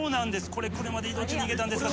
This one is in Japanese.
これ車で移動中逃げたんですが。